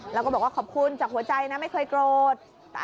แล้วก็บอกว่าขอบคุณจากหัวใจนะไม่เคยโกรธ